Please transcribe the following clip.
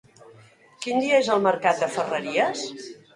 Quin dia és el mercat de Ferreries?